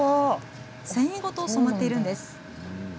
繊維ごと染まっているんです。